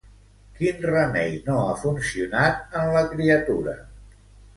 Quin remei no ha funcionat en la criatura?